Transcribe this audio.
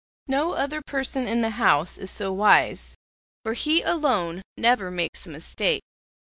No other person in the house is so wise, for he alone never makes a mistake.